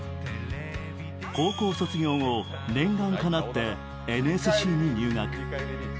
高校卒業後、念願かなってＮＳＣに入学。